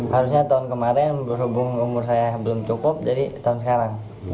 harusnya tahun kemarin berhubung umur saya belum cukup dari tahun sekarang